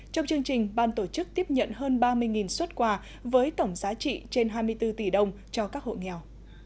trong chương trình ban tổ chức tiếp nhận hơn ba mươi xuất quà với tổng giá trị trên hai mươi bốn tỷ đồng cho các hộ nghèo